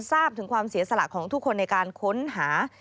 ทราบถึงความเสียสละของทุกคนในการค้นหา